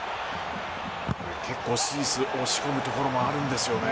結構スイス、押し込むところもあるんですよね。